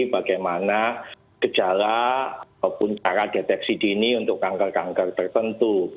bagaimana gejala ataupun cara deteksi dini untuk kanker kanker tertentu